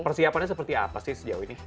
persiapannya seperti apa sih sejauh ini